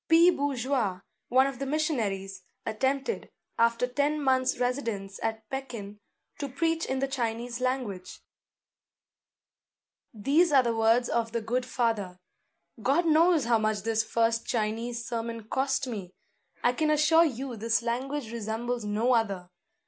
P. Bourgeois, one of the missionaries, attempted, after ten months' residence at Pekin, to preach in the Chinese language. These are the words of the good father: "God knows how much this first Chinese sermon cost me! I can assure you this language resembles no other.